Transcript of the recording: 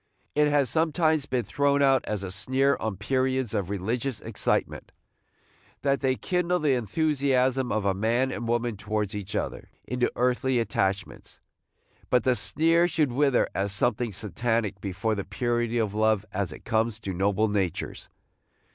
It has sometimes been thrown out as a sneer on periods of religious excitement, that they kindle the enthusiasm of man and woman towards each other into earthly attachments; but the sneer should wither as something satanic before the purity of love as it comes to noble natures.